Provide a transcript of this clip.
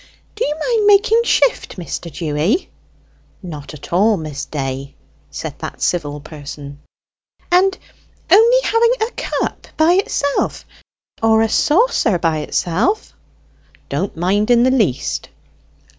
Do you mind making shift, Mr. Dewy?" "Not at all, Miss Day," said that civil person. " And only having a cup by itself? or a saucer by itself?" "Don't mind in the least."